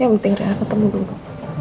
yang penting reina ketemu dulu